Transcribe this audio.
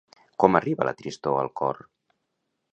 Com arriba la tristor al cor?